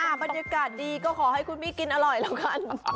บรรยากาศดีก็ขอให้คุณมี่กินอร่อยแล้วกัน